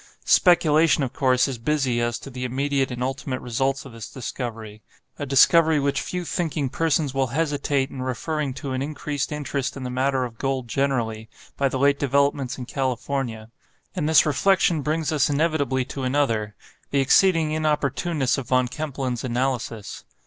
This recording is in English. Speculation, of course, is busy as to the immediate and ultimate results of this discovery—a discovery which few thinking persons will hesitate in referring to an increased interest in the matter of gold generally, by the late developments in California; and this reflection brings us inevitably to another—the exceeding inopportuneness of Von Kempelen's analysis.